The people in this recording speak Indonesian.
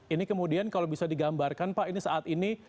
ini kemudian kalau bisa digambarkan pak ini saat ini